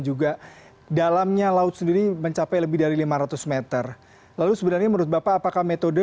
juga dalamnya laut sendiri mencapai lebih dari lima ratus m lalu sebenarnya menurut bapak apakah metode